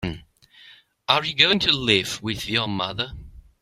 Are you going to live with your mother?